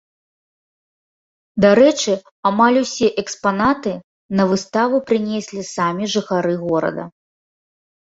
Дарэчы, амаль усе экспанаты на выставу прынеслі самі жыхары горада.